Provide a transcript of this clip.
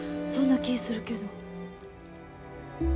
そんな気ぃするけど。